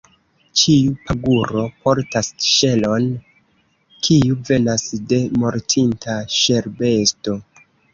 Ĉiu paguro portas ŝelon, kiu venas de mortinta ŝelbesto.